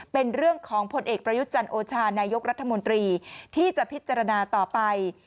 เป็นเรื่องของผลเอกประยุทธ์จันทร์โอชานายกรัฐมนตรีที่จะพิจารณาต่อไป